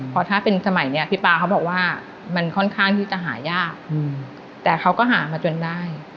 เพราะถ้าเป็นสมัยนี้พี่ป๊าเขาบอกว่ามันค่อนข้างที่จะหายากแต่เขาก็หามาจนได้